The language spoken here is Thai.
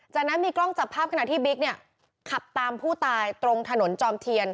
จากนั้นมีกล้องจับภาพขณะที่บิ๊กเนี่ยขับตามผู้ตายตรงถนนจอมเทียน